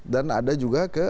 dan ada juga ke